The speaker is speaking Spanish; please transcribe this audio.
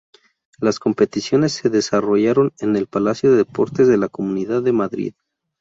Las competiciones se desarrollaron en el Palacio de Deportes de la Comunidad de Madrid.